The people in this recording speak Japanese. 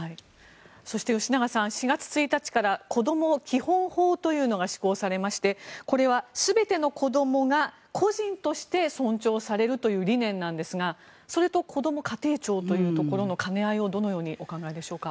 そして、吉永さん４月１日から子ども基本法というのが施行されましてこれは全ての子どもが個人として尊重されるという理念ですがそれとこども家庭庁というところの兼ね合いをどのようにお考えでしょうか。